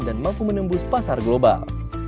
dan mampu menembus pasar global